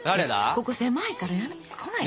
ここ狭いからやめて来ないで。